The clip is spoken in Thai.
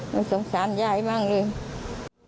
มันสงสารยายมากเลย